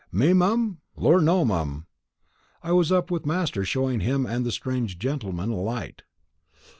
"Me, mum! lor no, mum. I was up with master showing him and the strange gentleman a light."